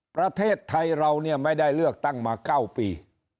ประเทศไทยเราเนี่ยไม่ได้เลือกตั้งมา๙ปี